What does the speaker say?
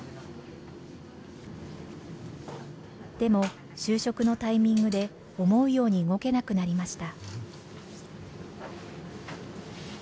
でも就職のタイミングで思うように動けなくなりました。